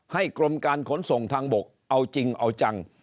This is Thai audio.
กรมการขนส่งทางบกเอาจริงเอาจัง